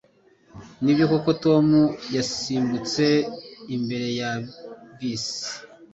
Nibyo koko Tom yasimbutse imbere ya bisi?